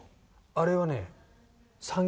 あれはね。